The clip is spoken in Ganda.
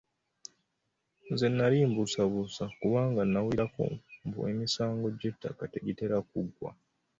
Nze nali mbuusabuusa, kubanga nnawulirako mbu emisango gy'ettaka tegitera kuggwa.